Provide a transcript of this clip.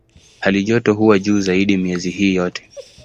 Halijoto huwa juu zaidi miezi hii yote.